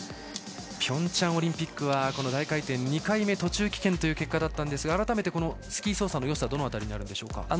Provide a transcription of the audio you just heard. ピョンチャンオリンピックは大回転は２回目途中棄権という結果だったんですが、改めてスキー操作のよさはどの辺りになりますか？